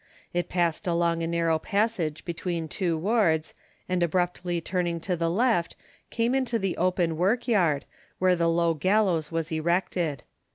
It passed along a narrow passage between two wards and abruptly turning to the left, come into the open work yard, where the low gallows was erected.